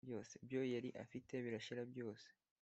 byo yari afite birashira byose